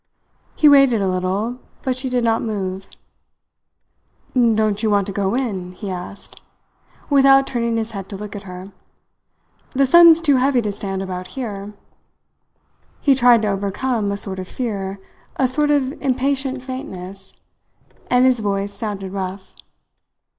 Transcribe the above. He waited a little, but she did not move. "Don't you want to go in?" he asked, without turning his head to look at her. "The sun's too heavy to stand about here." He tried to overcome a sort of fear, a sort of impatient faintness, and his voice sounded rough.